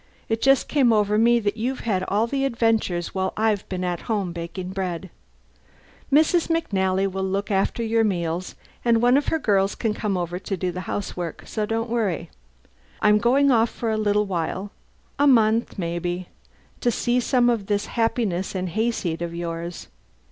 It just came over me that you've had all the adventures while I've been at home baking bread. Mrs. McNally will look after your meals and one of her girls can come over to do the housework. So don't worry. I'm going off for a little while a month, maybe to see some of this happiness and hayseed of yours.